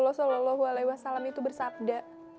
rasulullah saw bersabda